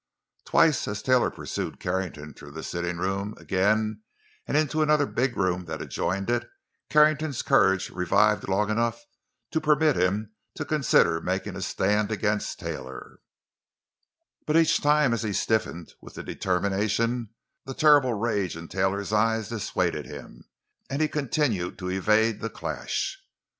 Twice, as Taylor pursued Carrington through the sitting room again and into another big room that adjoined it, Carrington's courage revived long enough to permit him to consider making a stand against Taylor, but each time as he stiffened with the determination, the terrible rage in Taylor's eyes dissuaded him, and he continued to evade the clash.